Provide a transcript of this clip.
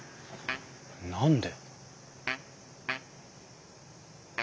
何で？